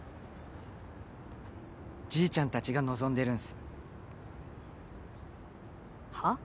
じいちゃんたちが望んでるんす。はあ？